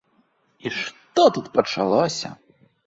І што тут пачалося!